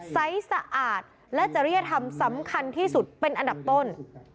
ใสสะอาดและจริยธรรมสำคัญที่สุดเป็นอันดับต้น